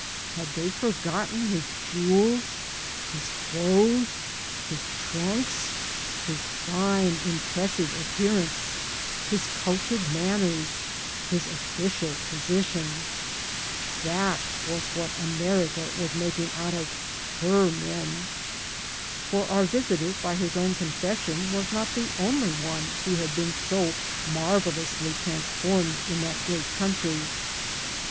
Had they forgotten his jewels, his clothes, his trunks, his fine, impressive appearance, his cultured manners, his official position? That was what America was making out of her men. For our visitor, by his own confession, was not the only one who had been so marvelously transformed in that great country.